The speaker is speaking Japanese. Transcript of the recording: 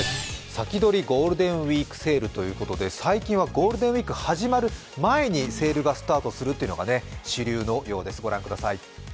先取りゴールデンウイークセールということで最近はゴールデンウイークが始まる前にセールがスタートするというのが主流のようです。